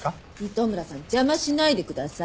糸村さん邪魔しないでください。